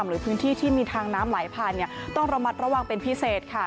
หรือพื้นที่ที่มีทางน้ำไหลผ่านต้องระมัดระวังเป็นพิเศษค่ะ